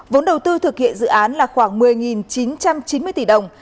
vốn đầu tư thực hiện dự án là khoảng một mươi chín trăm chín mươi tỷ đồng